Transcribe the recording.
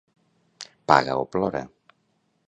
Paga o plora.